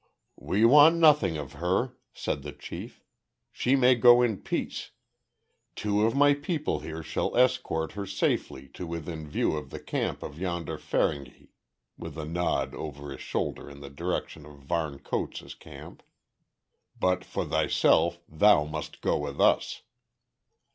"We want nothing of her," said the chief. "She may go in peace. Two of my people here shall escort her safely to within view of the camp of yonder Feringhi," with a nod over his shoulder in the direction of Varne Coates' camp. "But for thyself thou must go with us."